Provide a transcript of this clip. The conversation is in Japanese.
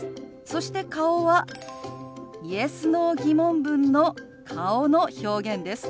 そして顔はＹｅｓ／Ｎｏ−疑問文の顔の表現です。